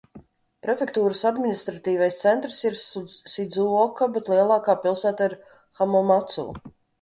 Prefektūras administratīvais centrs ir Sidzuoka, bet lielākā pilsēta ir Hamamacu.